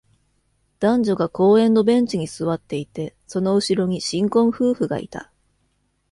男女が公園のベンチに座っていて、その後ろに新婚夫婦がいた。